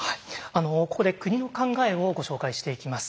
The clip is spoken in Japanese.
ここで国の考えをご紹介していきます。